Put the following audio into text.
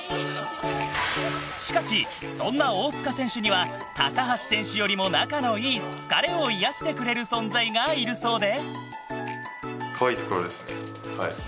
しかし、そんな大塚選手には高橋選手よりも仲のいい疲れを癒やしてくれる存在がいるそうで。